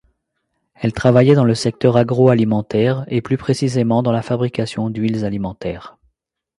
Elle travaillait dans le secteur agroalimentaire et, plus précisément, dans la fabrication d'huiles alimentaires.